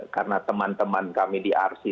karena teman teman kami di arsy